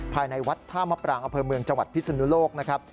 ภายในวัดท่ามะปรางอำเภอเมืองจังหวัดพิศนุโลกนะครับ